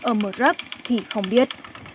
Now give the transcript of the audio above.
ở mợt rắc thì không biết